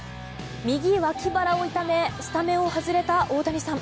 右脇腹を痛めスタメンを外れた大谷さん。